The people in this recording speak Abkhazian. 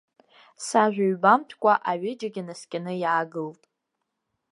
Сажәа ҩбамтәкәа, аҩыџьагьы наскьаны иаагылт.